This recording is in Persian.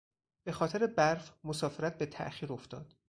به خاطر برف مسافرت به تاخیر افتاد.